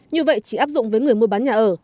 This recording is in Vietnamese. như vậy chỉ áp dụng với người mua bán nhà ở